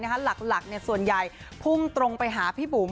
หลักส่วนใหญ่พุ่งตรงไปหาพี่บุ๋ม